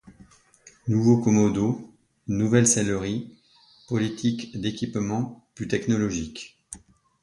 Nouveaux commodos, nouvelles selleries, politique d'équipements plus technologique.